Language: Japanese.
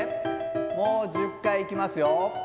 もう１０回いきますよ。